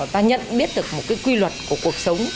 ta nhận biết được một cái quy luật của cuộc sống